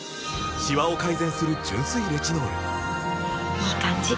いい感じ！